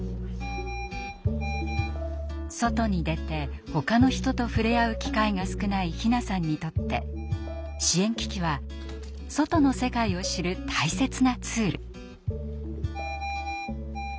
外に出てほかの人と触れ合う機会が少ない陽菜さんにとって支援機器は外の世界を知る大切なツール。